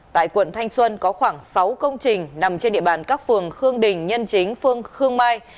tại quận thanh xuân có khoảng sáu công trình nằm trên địa bàn các phường khương đình nhân chính phương khương mai